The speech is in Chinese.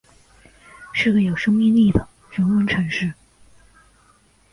是个有生命力的人文城市